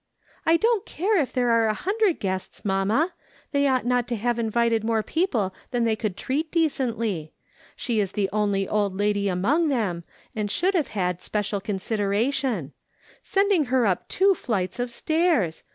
" I don't care if there are a hundred guests mamma. They ought not to have invited more people than they could treat decently. She is the only old lady among them, and should have had " VM GLAD THA T SOLOMON AIN' T ALONG." 91 special consideration. Sending lier up two flights of stairs